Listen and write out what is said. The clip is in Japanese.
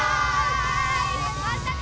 またね！